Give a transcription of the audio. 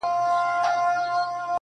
• زه د ساقي تر احترامه پوري پاته نه سوم_